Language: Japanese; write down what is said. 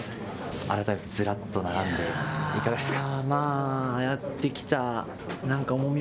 改めてずらっと並んで、いかがですか。